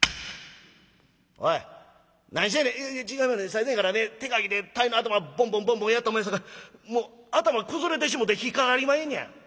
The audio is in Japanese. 最前からね手がきで鯛の頭ボンボンボンボンやったもんやさかいもう頭崩れてしもて引っ掛かりまへんのや」。